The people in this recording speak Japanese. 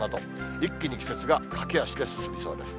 一気に季節が駆け足で進みそうです。